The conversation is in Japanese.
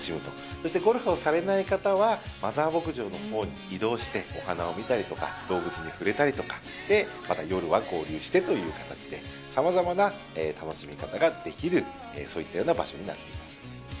そしてゴルフをされない方は、マザー牧場のほうに移動して、お花を見たりとか、動物に触れたりとか、夜はまた合流してという形で、さまざまな楽しみ方ができる、そういったような場所になっています。